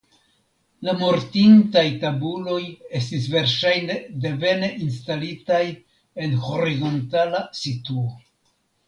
La mortintaj tabuloj estis verŝajne devene instalitaj en horizontala situo.